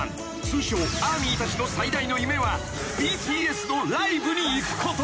通称ＡＲＭＹたちの最大の夢はＢＴＳのライブに行くこと］